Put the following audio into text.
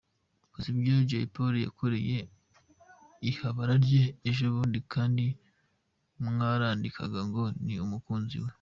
Muzi ibyo Jay Polly yakoreye ihabara rye ejobundi kandi mwarandikaga ngo ni "umukunzi we".